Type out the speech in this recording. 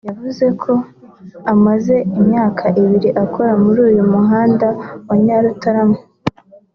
yavuze ko amaze imyaka ibiri akorera muri uyu muhanda wa Nyarutarama